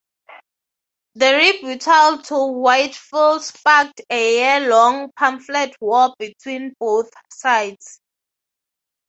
This rebuttal to Whitefield sparked a yearlong pamphlet war between both sides.